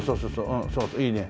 うんそうそういいね。